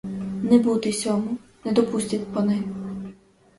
Не бути сьому, не допустять пани!